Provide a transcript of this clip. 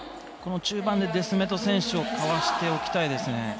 この中盤でデスメト選手をかわしておきたいですね。